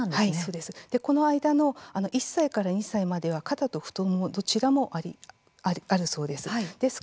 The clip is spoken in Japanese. この間の１歳から２歳までは肩と太ももどちらもあるそうです。